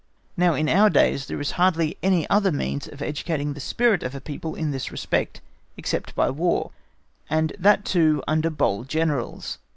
Now in our days there is hardly any other means of educating the spirit of a people in this respect, except by War, and that too under bold Generals.